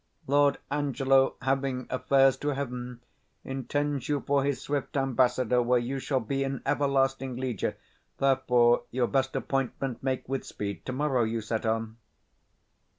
Lord Angelo, having affairs to heaven, Intends you for his swift ambassador, Where you shall be an everlasting leiger: 60 Therefore your best appointment make with speed; To morrow you set on.